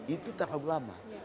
itu terlalu lama